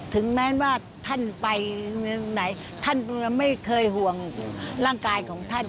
ถึงแม้ว่าท่านไปเมืองไหนท่านไม่เคยห่วงร่างกายของท่าน